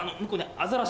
アザラシ？